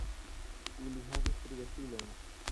Ili havis tri gefilojn.